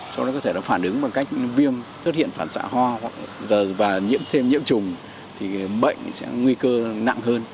cho nên có thể nó phản ứng bằng cách viêm thất hiện phản xạ hoa và nhiễm thêm nhiễm trùng thì bệnh sẽ nguy cơ nặng hơn